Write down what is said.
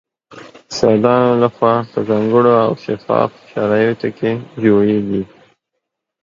استادانو له خوا په ځانګړو او شفاف شرایطو کې جوړیږي